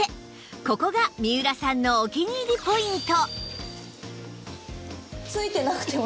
ここが三浦さんのお気に入りポイント